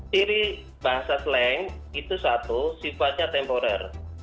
ciri bahasa slang itu satu sifatnya temporer